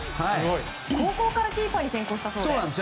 高校からキーパーに転向したそうです。